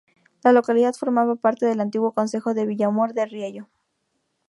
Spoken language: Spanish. La localidad formaba parte del antiguo concejo de Villamor de Riello.